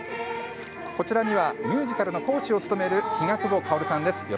こちらにはミュージカルの講師を務める日ヶ久保香さんです。